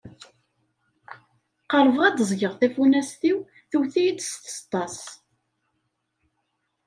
Qerbeɣ ad d-ẓgeɣ tafunast-iw tewwet-iyi-d s tseṭṭa-s.